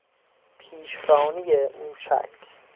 پیشرانی موشک